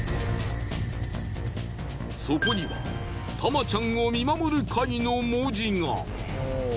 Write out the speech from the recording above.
そこには「タマちゃんを見守る会」の文字が。